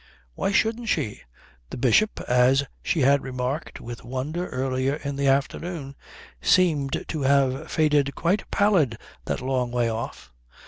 Why shouldn't she? The Bishop, as she had remarked with wonder earlier in the afternoon, seemed to have faded quite pallid that long way off.